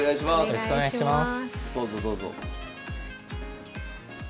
よろしくお願いします。